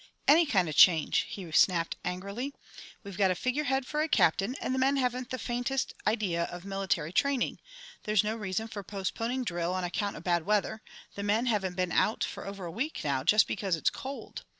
"Any kind of a change," he snapped angrily. "We've got a figure head for a Captain and the men haven't the faintest idea of military training. There's no reason for postponing drill on account of bad weather the men haven't been out for over a week now, just because it's cold.